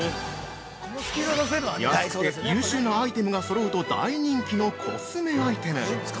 ◆安くて優秀なアイテムがそろうと大人気のコスメアイテム。